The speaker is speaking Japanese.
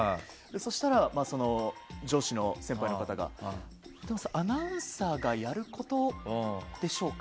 そしたら、上司の先輩の方がアナウンサーがやることでしょうか？